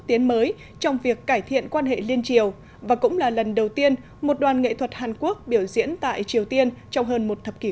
trong phần tin quốc tế đoàn nghệ thuật hàn quốc biểu diễn tại triều tiên sau hơn một thập kỷ